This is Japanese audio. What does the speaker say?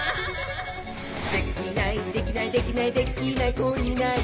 「できないできないできないできない子いないか」